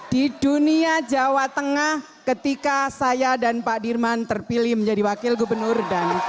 di dunia jawa tengah ketika saya dan pak dirman terpilih menjadi wakil gubernur